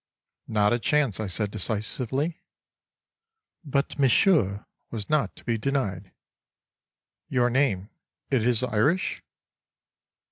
—"Not a chance," I said decisively. But Monsieur was not to be denied: "Your name it is Irish?"